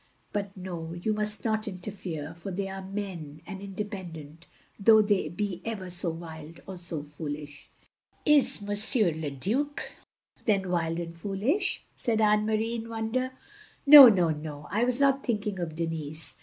But no, you must not interfere, for they are men, and independent, though they be ever so wild or so foolish. " "Is M. le Due, then, wild and foolish?" said Anne Marie, in wonder. "No, no, no. I was not thinking of Denis.